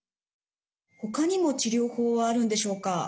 ほかにも治療法はあるんでしょうか。